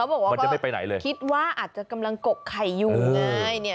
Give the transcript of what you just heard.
บอกว่ามันจะไม่ไปไหนเลยคิดว่าอาจจะกำลังกกไข่อยู่ไง